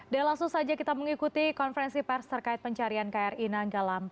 dan langsung saja kita mengikuti konferensi pers terkait pencarian kri nanggalam empat ratus dua